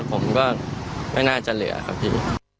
ผมก็ไม่น่าจะเหลือครับพี่